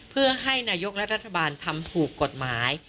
เพื่อให้นายกและรัฐบาลทำถูกกฎหมาย